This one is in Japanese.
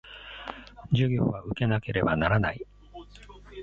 授業は受けなければならない